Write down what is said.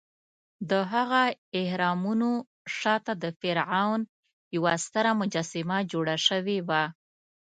دهغه اهرامونو شاته د فرعون یوه ستره مجسمه جوړه شوې وه.